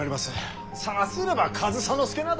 さすれば上総介など。